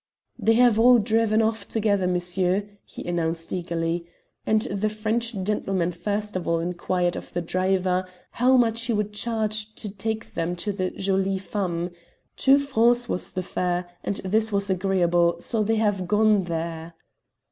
"They have all driven off together, monsieur," he announced eagerly, "and the French gentleman first of all inquired of the driver how much he would charge to take them to the Jolies Femmes. Two francs was the fare, and this was agreeable, so they have gone there."